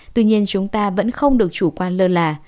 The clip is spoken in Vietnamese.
tuy nhiên chúng ta vẫn không được chủ quan lơ là